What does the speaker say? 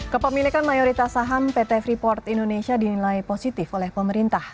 kepemilikan mayoritas saham pt freeport indonesia dinilai positif oleh pemerintah